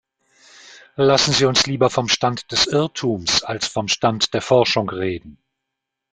Lassen Sie uns lieber vom Stand des Irrtums als vom Stand der Forschung reden.